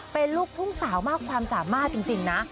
เป็นลูกทุ่งสาวมากความสามารถจริงนะ